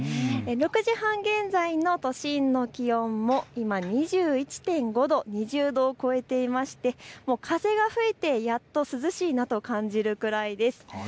６時半現在の都心の気温も今、２１．５度、２０度を超えていまして風が吹いてやっとと涼しいなと感じるくらいです。